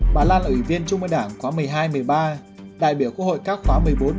bà lan là ủy viên trung môi đảng khóa một mươi hai một mươi ba đại biểu quốc hội các khóa một mươi bốn một mươi năm